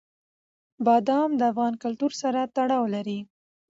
بادام د افغان کلتور سره تړاو لري.